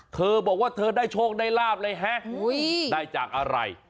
เธอบอกว่าเธอได้โชคได้ลาบเลยฮะได้จากอะไร